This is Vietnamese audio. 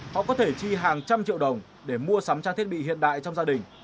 họ có thể chi hàng trăm triệu đồng để mua sắm trang thiết bị hiện đại trong gia đình